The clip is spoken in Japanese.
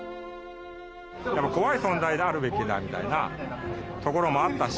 怖い存在であるべきだみたいなところもあったし